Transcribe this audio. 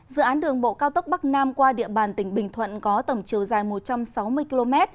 dự án đường bộ cao tốc bắc nam qua địa bàn tỉnh bình thuận có tổng chiều dài một trăm sáu mươi km